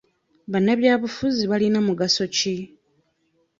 Bannabyabufuzi balina mugaso ki?